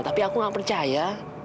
tapi aku gak percaya